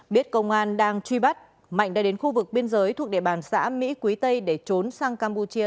biết công an đang truy bắt mạnh đã đến khu vực biên giới thuộc địa bàn xã mỹ quý tây để trốn sang campuchia